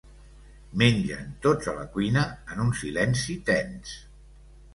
Mengen tots a la cuina, en un silenci tens.